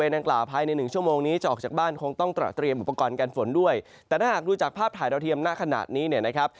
ดาวเทียมหน้าขนาดนี้นะครับ